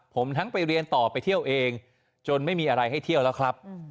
ผมทั้งไปเรียนต่อไปเที่ยวเองจนไม่มีอะไรให้เที่ยวแล้วครับ